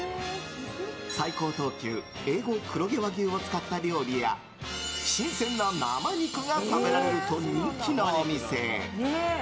最高等級Ａ５黒毛和牛を使った料理や新鮮な生肉が食べられると人気のお店。